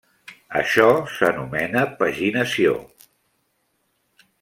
Això s'anomena paginació.